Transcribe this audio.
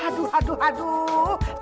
aduh aduh aduh